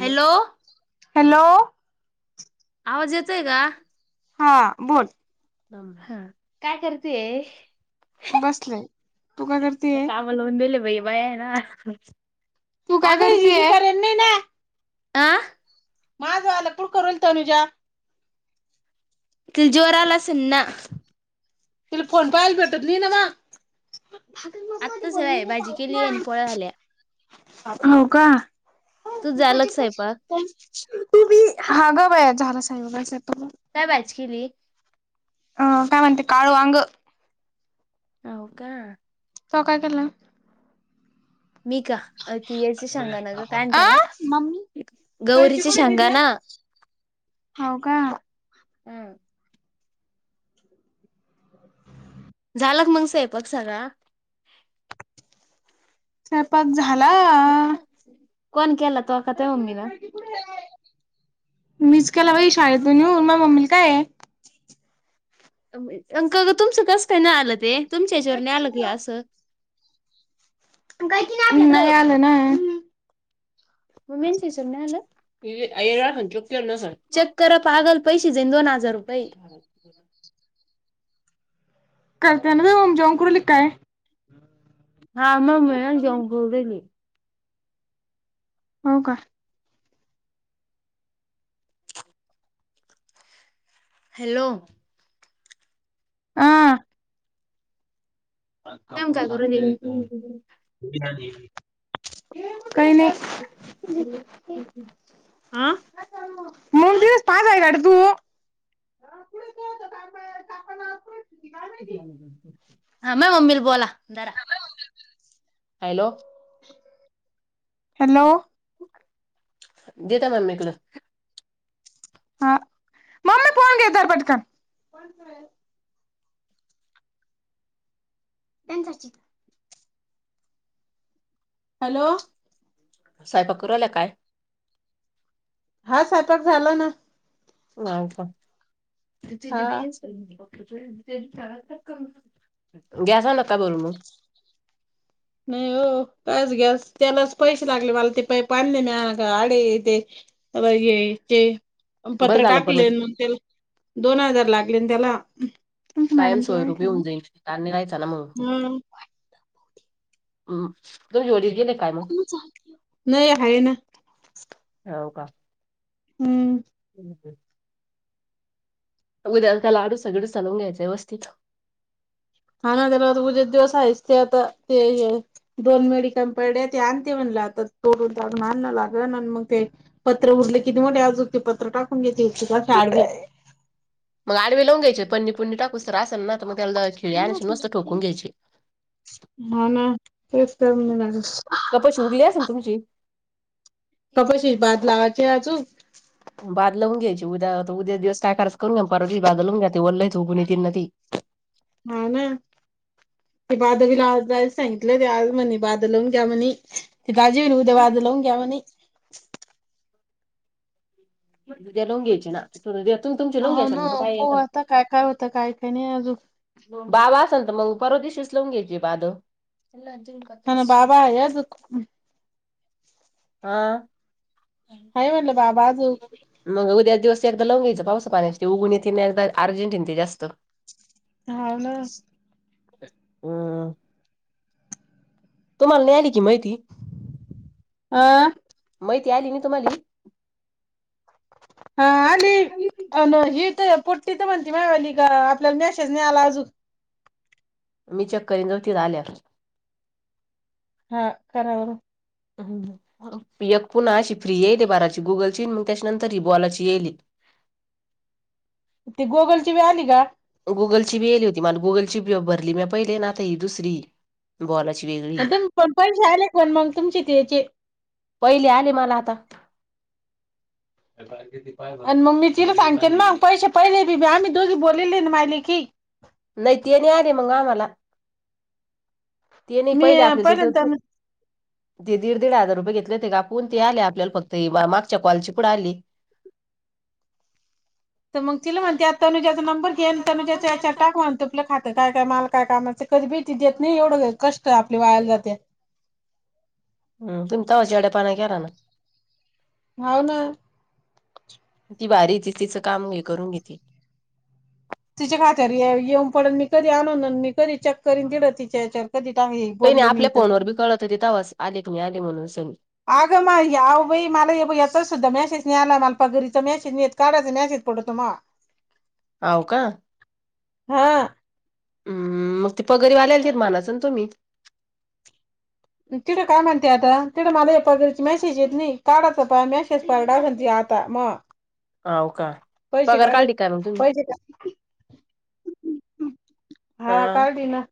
Hello! Hello! आवाज येतोय का? हा, बोल. अम ह, काय करतेय. बसलेय, तू काय करती ये? बोलवून दिले बाई, बाया आहे ना. तू काय करतीये? आं? माझंवालं, पुळ करोल तनुजा. तिला जीवावर आला असेल ना? तिला फोन पाहायला, भेटत नाही ना मग. आत्ताच आहे भाजी केली आणि पोळ्या झाल्या. [unintelligible] हो का? तुझ तु झालं का स्वयंपाक? बी. हा, गं बया झाला सायंकाळचा स्वयंपाक करून. काय भाजी केली? अं काय म्हते, काळं वांगं. हो का? त्वा काय केलेला? मी का ती याची शेंगाना ग काय म्हणता त्याला अं? मम्मी. कैची गौरीची कुठे दीदे? शेंगाना हो का? हम्! झाला का मग स्वयंपाक सगळा? स्वयंपाक झाला. कोण केला? त्वा का तोय मम्मीने? मीच केला बाई, शाळेतून येऊन. मया मम्मीला काय आहे. अंकल तुमचं कसं काय नाही आलं ते, तुमच्या हच्यावर नाही आलं का हे असं? काहीच नाही आलं, नाही आलं ना? मम्मींच्या ह्याच्यावर नाही आलं? येईल असेल, चेक केलं नसन. चेक करा. पागल, पैसे जाईन दोन हजार रुपये. करते ना मी ओम, जेवण करुली काय? हा, मम्मी जेवण करून राहिली. हो का? हॅलो! आ? [unintelligible] काही नाही. आ मूग दिवस पास आहेय काड तू? [unintelligible] हॅलो. हॅलो. [unintelligible] [unintelligible] [unintelligible] [unintelligible] हॅलो. स्वयंपाक करूराहिल्या काय? हा, स्वयंपाक झाला ना. नाही का हा [unintelligible] [unintelligible] नका भरू मग नाही हो, कायच गॅस त्यालाच पैसे लागले मला, ते पाईप आणले म्या आडे ते [unintelligible] बरं पत्रं झालं पण टाकले, ते मग त्याला दोन हजार लागले न त्याला. तुमच्या कायम मॅडमचं बाळ आहे स्वरूपी का? होऊन जाईल, ताण नाही राहायचा न मग हा तुमचे वडील गेले? काय नाही, आहे ना. हाव का. हम्म. उद्या त्याला लाडू [unintelligible] व्यवस्थित. हा ना, त्या उद्या दिवसायच, ते आता. ते दोन मेडिकम [unintelligible] ते आणते म्हणलं, आता तोडून ताडून आणण लागलं, अन् मग ते पत्रं उरले किती मोठे अजून, ते पत्रं टाकून घेते, अशे आडवे. मग आडवे लावून घ्यायचे, पणी पुणी टाकूस्तर असल ना, त मग त्याला खिळी आणखी मस्त ठोकून घ्यायचे. हा ना, तेच कर्ण लागल कपशी उरली असेल तुमची? कपशीस बाद लावाचे अजून बाद लावून घ्यायची. उद्या उद्या दिवस काय कराच ते करून घ्या. परवा दिवशी लाऊन घ्या, ते [unintelligible] उगवून येतील ना मग ती हाव ना. ते बाधवीला आज जायला सांगितलं, ते आज म्हणे बाद लावून घ्या म्हणी. ते [unintelligible] उद्या बाजी लावून घ्या म्हणे. उद्या लावून घ्यायची ना? [unintelligible] हाव घ्यायची ना. हो काय आहे पाहू का आता काय काय होतं? काय काही नाही अजूक. बाबा असेल तर, मग परवा दिवशीच लावून घ्यायची बाध. हा ना. बाबा आहे अजूक. [unintelligible] काय म्हटलं? बाबा अजूक मग उद्याच दिवस एकदा लवून घ्यायचं, पावसा पाण्याच ते उगवून येतील, एकदा अर्जेटिन आहे ना ते जास्त हाव न. [unintelligible] तुम्हाला मिळाली की माहिती? अं. माहिती आली नी तुम्हाली? हा आणि अन ही तर पोटी तर म्हणती म्या वाली का आपल्याला मॅसेज नाही आला अजून. मी चेक करीन [inaudible] जाऊ त आल्या हा खरावर. एक पुन्हा अशी फ्री येईल बाराची गुगलची मग त्याच्यानंतर ही बॉलाची येईली. ते गोगल ची [inaudible] वे आली का? गुगलची बी गली होती मला गुगलची बी भरली म पहिले ना आ ही दुसरी. बॉलाची वेगळी. तुम पण पैसे आले का पण मग तुमची येचे पहिले आले मला आता. आणि मम्मी तिला सांगते मग पैसे पहिले बीआम्ही दोघी बोललेल आहे न, आम्ही माय लेकी. नाही ते नाही आले मग आम्हाला ते नाही मी पहिले आपल्या तिथे पहिल्यांदा ते दीड दीड हजार रुपये घेतले होते [inaudible] का कोण ते आले आपल्याला फक्त मागच्या क्वालिची [inaudible] [inaudible] पुुे आली तर मग तिला म्हणते तनुजाचा नंबर घेन [inaudible] आणि तनुजाचा याच्या टाक म्हणत. आपलं खातं काय काय माल काय कामा कधी भीती देत नाही. एवढं कष्ट आपली वायाला जाते. [inaudible] तम तस जडे्या पना [inaudible] क रन [inaudible] हो ना. ती भारी त तिचं काम घ करून घेते. तिच्या खातर येऊन [inaudible] पड मी कधी आणूनन मी कधी चेक करन दिलं तिच्या [inaudible] या्याच्यावर कधी [inaudible] टांग बोलले मी तर [inaudible] तेथवास आले मी आले म्हणून [inaudible] सग अगं [inaudible] मवबाई मला याेत सुद्धा मेसेज नाही. आला मला पगरीचा मेसेज नाही काढाय मेसेज पडतो मग. आव का? हा हम्म, मग ती पगरी वाल्याल मानाचं ना तुम्ही. तिथं काय म्हणते आता तिडं मला या पगरीची मेसेज येत नाही. काढाचं पाय मेसेज पड त आता मग. होव का पैसे पगार काय काढे [inaudible] टिका म्ह तुम्ही. पैसे का- हा [inaudible] काढट ना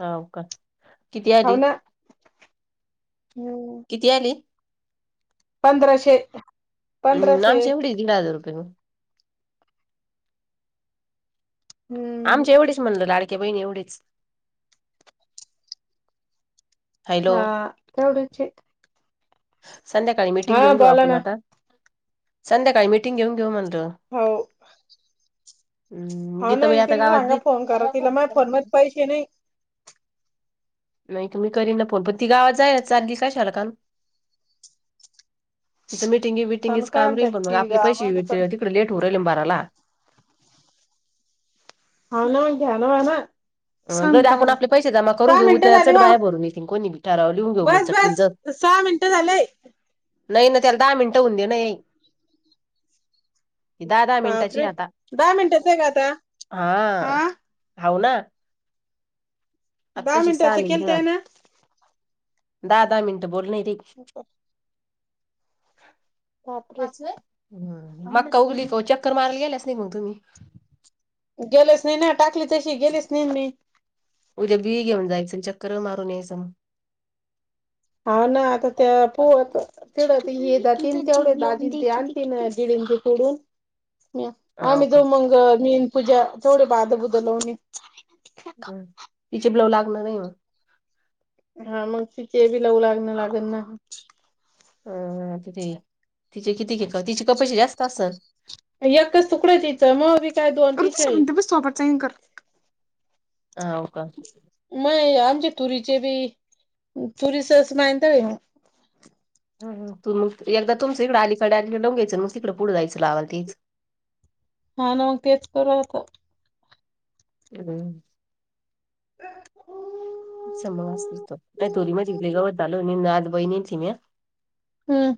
हव का. किती हो आली? ना. हम्.. किती आली. पंधराशे. हम् पंधराशे नामच्या मुडी [inaudible] घळाावर रप हम्म आमच्या एवढेच म्हणलं [inaudible] लाडकी बहिण एवढीच. हॅलो हा तेवढूच. संध्याकाळी मिटिंग घेऊन घेऊ बोला आपण ना आता, संध्याकाळी मिीटिंग घेऊन घेऊ म्हण. हो. हम्म होा ना गीताबाई आता तिला गावात सांगा गे फोन करा तिला मा [inaudible] फोन मध्ये पैसे नाही नाही तुम्ही करन फोन पण ती गावात जाय [inaudible] ना [inaudible] चारगी कायशाल काण तिथं मिटिंग पण विटिंगच काम काढ रेल पण मग त्याची आपले पैसे गावामध्ये पण तिकडे लेट हो [inaudible] राेल बारला हो ना [inaudible] म घ्या ना वा ना. जर आपण आपले पैसे जमा करून घेऊ मिनिटं त्या झाली चढ भाऊ बाया भरून येथि कोणी भिठारा लिहून घेऊ मग [inaudible] बस बस शक्तींचं सहा मिनटं झालेय. नाही ना [inaudible] ही त्याला दहा मिनट हूनद नाई दहा दहा मिनिटाची बापरे आता, दहा मिनिटाच आहे का आता हा. [inaudible] भाऊ ना आत्ता दहा शिक सहा मिनिटाच मिनिट [inaudible] केलतय जात ना दहा दहा मिनिट बोल [inaudible] नाही रे उपर बापरे पाच व्हय, हा मक्का उघली का चक्कर मारायला गेल्यास नाही मग तुम्ही. गेलेच नाही ना? टाकली तशी गेलीच नाही मी. उद्या बी घेऊन जायचं अन् चककर मारून यायच मग. हाव ना आता त्या मग पू होत. तेवढ ते हे तीन तेवढ दाजी तेन आणतील ना दीड इंची सोडून. हाव आम्ही का तो मंग मीन पूजा थोडे बाध बुद लावणी. ह तिचे ब्लाव लागणार नाही मग. हा मग तिचे बी लावू लाग लागन ना. अ तिथे, तिचे किती क तिचे कपाशी जास्त असेल? एकच तुकडं हाय तिचं, मग काय दोन तीन आव नाही आमचे तुरीचे बी तुरीसस मायंदाळ हाय ओ. हुं. हुं. एकदा तुमच इकड अलीकडे आदी लावून घ्यायचं, मग तिकडे पुढं जायंच लावायला तेच. हा ना, मग तेच करू ये आता. हम् [unintelligible] समोर असती तर नाही तोर मली गवत आलो नाद बहिणीची म्या. हुं.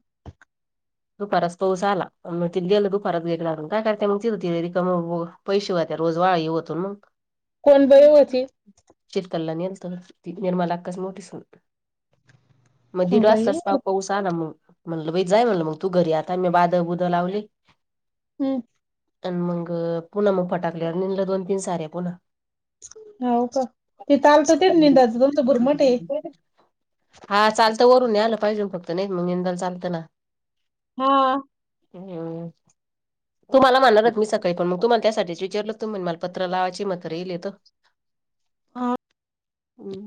दुपाराच पाऊस आला, म तर गेलं दुपारच एक ला काय करते मग तीच तीले रिकाम पणं पैसे वात्या रोज वाळी होतो मग. कोण बाई होती चितलला नेलत, ती निर्मला अक्काची मोठी सून. मग दीड बाई वाजताच पाव पाउस आला ना, मग म्हणलं बाई जाय म्हणलं मग तू घरी आता मी बादळ बुद लावली हुं. आणि मग पुन्हा मग पटाकले नि दोन तीन सार्या पुन्हा. हो का ते तालच ते नि बुरमाट हाय ग. हा चालत वरून न आलं पाहिजे फक्त नाही मग निंदाला चालतं ना. म अ. हम्म [unintelligible] तुमाला म्हनल ना मी सकाळी, प मग तुमाला त्यासाठीच वीचारलं तुम् मला पत्र लावायची मत्र यिलेत. [inaudible] हो.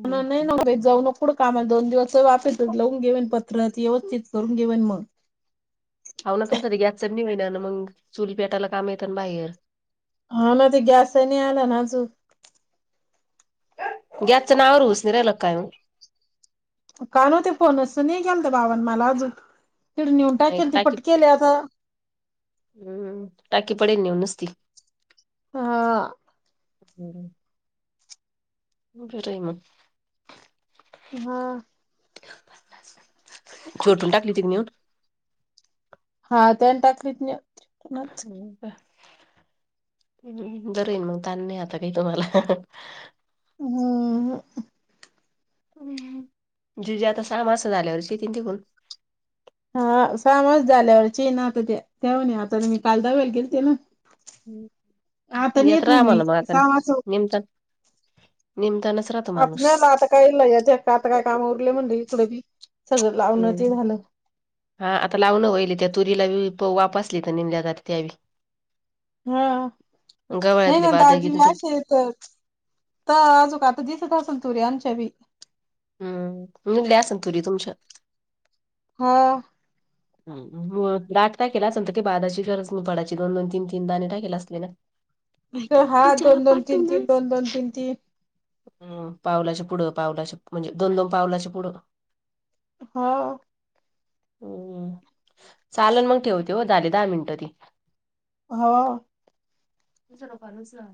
नाही नाही नव्हे, जाऊ नको. भरपूढं काम हाय दोन दिवस वापस लावून घेईन पत्र व्यस्थित करून घेवेन मग. हाव ना तुमच ते, गॅस च्याणी होईना ना, मग चूल पेटायला काम येत ना बाहेर. हा ना ते गॅस नाही आला ना अजून. गॅसच नावा वर उशीर होवू राहिलं काय ओ? का नव्हते फोनच नाही केलंता बावान मला अजून तिडं नेऊन नाही, टाकेल ती पटकीन आता. हुं. हू टाकी पडेल नेऊन नूसती. हा आ. आपल्याकड. बरय मग. हा. जो ओतून टाकली ति नेऊन. हा त्या टाकवीत नत हो का? बरय मग, ताण नाही आता काही तुम्हाला. हम्म. हम्म, जुजे आता सहा मास झाल्यावर शेतीन ति कून हा सामास झाल्यावरचेना आता त्याव आता मी काल दाव्याला गेलते ना. आता नाही येत म्हण राहा मी मग आता सहा वाज निमतान निमतानच रा आपल्याला आता काय लया त्या आता काय काम उरले म्हणल इकड बी सगळं लावण हम्म. ते झालं. हा आता लावणं होईल त्या तुरीला बी वाप आसली तर निमल्यात त्यावे. हा नाय गवळ्यातली ना बादगी दाजी बी अशे तर ता आजूक आता दिसत असल तूरी आमच्या बी. हम्म मुदल्या असन तुरी तुमच्या? हो. दाट टाकील असल तर ती बादाची गरज नाय पडाची दोन दोन तीन तीन दाने टाकला असले ना. हा दोन दोन तीन तीन, दोन दोन तीन तीन. हम्म, पावलाच्या पुढं पावलाचे म्हणजे दोन दोन पावलाच्या पुढं. हो. हम्, चालन मग ठेवते हो झाले दहा मिनटं ती. हो. थोड फार उचला.